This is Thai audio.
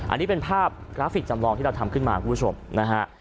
อันนี้เป็นภาพกราฟิกจำลองที่เราทำขึ้นมาคุณผู้ชมนะฮะ